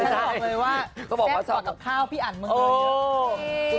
ฉันก็บอกเลยว่าแซ่บก่อนกับข้าวพี่อันเมื่อไหร่